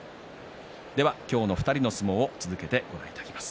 今日の２人の相撲を続けてご覧いただきます。